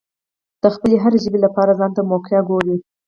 د خپلې هرې ژبې لپاره ځانته موقع ګوري.